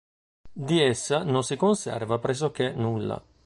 Di essa non si conserva pressoché nulla.